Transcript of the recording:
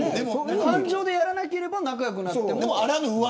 感情でやらなければ仲良くなっても。